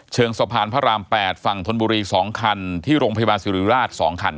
สะพานพระราม๘ฝั่งธนบุรี๒คันที่โรงพยาบาลสิริราช๒คัน